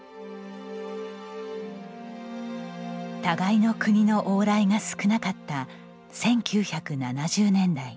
互いの国の往来が少なかった１９７０年代。